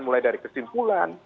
mulai dari kesimpulan